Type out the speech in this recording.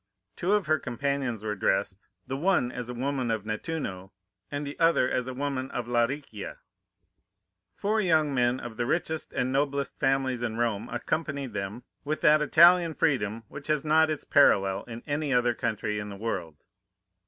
Two of her companions were dressed, the one as a woman of Nettuno, and the other as a woman of La Riccia. Four young men of the richest and noblest families of Rome accompanied them with that Italian freedom which has not its parallel in any other country in the world.